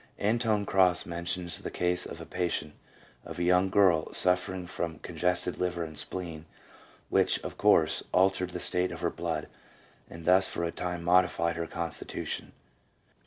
" Antoine Cros mentions the case of a patient, a young girl, suffering from con gested liver and spleen, which, of course, altered the state of her blood, and thus for a time modified her constitution.